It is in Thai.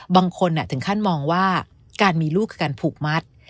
บางคนถึงขั้นมองว่าการมีลูกคือการผูกมัด